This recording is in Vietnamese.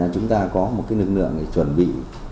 chúng ta có một lực lượng chuẩn bị